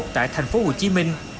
tại thành phố hồ chí minh